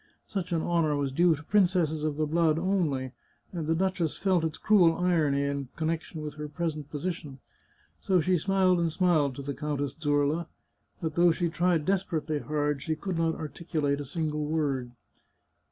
Such an honour was due to princesses of the blood only, and the duchess felt its cruel irony in connection with her present position. So she smiled and smiled to the Countess Zurla ; but though she tried desperately hard, she could not articu late a single word.